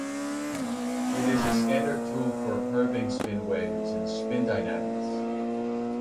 It is a standard tool for probing spin waves and spin dynamics.